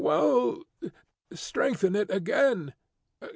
"Well, strengthen it again.